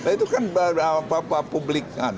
itu kan publik